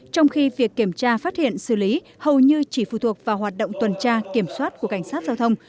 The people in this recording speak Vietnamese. trong khi việc kiểm tra phát hiện xử lý hầu như chỉ phụ thuộc vào hoạt động tuần tra kiểm soát của cảnh sát giao thông